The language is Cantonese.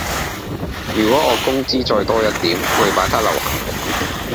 如果我工資再多一點會把她留下來